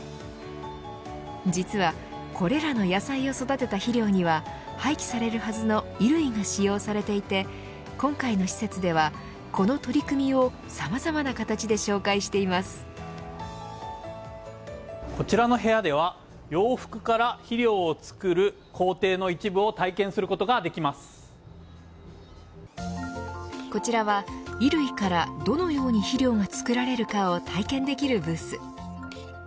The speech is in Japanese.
実は、これらの野菜を育てた肥料には廃棄されるはずの衣類が使用されていて今回の施設ではこの取り組みを、さまざまな形で紹介してこちらの部屋では洋服から肥料を作る工程の一部をこちらは衣類からどのように肥料が作られるかを体験できるブース。